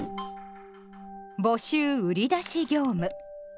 募集売り出し業務。